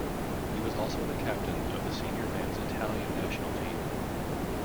He was also the captain of the senior men's Italian national team.